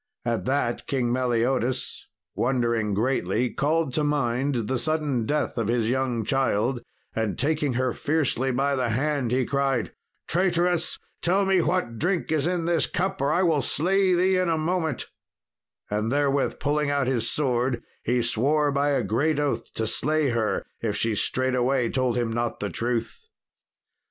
At that King Meliodas, wondering greatly, called to mind the sudden death of his young child, and taking her fiercely by the hand he cried: "Traitress, tell me what drink is in this cup or I will slay thee in a moment;" and therewith pulling out his sword he swore by a great oath to slay her if she straightway told him not the truth.